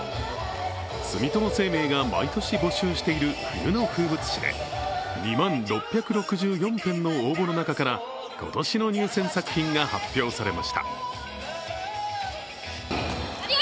住友生命が毎年募集している冬の風物詩で２万６６４編の応募の中から今年の入選作品が発表されました。